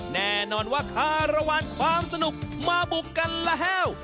แน่นอนว่าคารวาลความสนุกมาบุกกันแล้ว